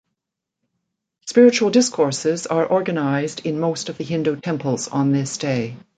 Spiritual discourses are organised in most of the Hindu temples on this day.